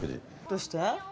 どうして？